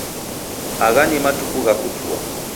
Agha ni matuku gha kutua